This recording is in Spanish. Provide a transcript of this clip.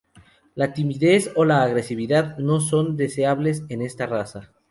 La timidez o la agresividad no son deseables en esta raza.